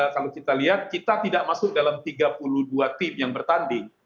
kalau kita lihat kita tidak masuk dalam tiga puluh dua tim yang bertanding